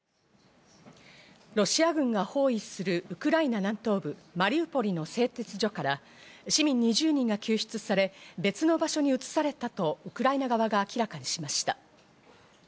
ロシア軍が包囲するウクライナ南東部マリウポリの製鉄所から市民２０人が救出され別の場所に移されたとウクライナ側が明らかにしました。